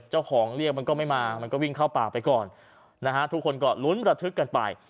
เจ้าของเรียกมันก็ไม่มามันก็วิ่งเข้าป่าไปก่อนนะฮะทุกคนก็ลุ้นระทึกกันไป